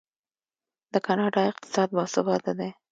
د کاناډا اقتصاد باثباته دی.